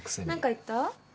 何か言った？